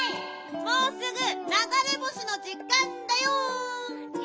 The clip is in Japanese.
もうすぐながれ星のじかんだよ！